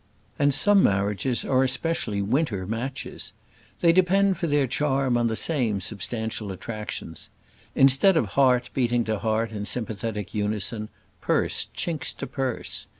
And some marriages are especially winter matches. They depend for their charm on the same substantial attractions: instead of heart beating to heart in sympathetic unison, purse chinks to purse.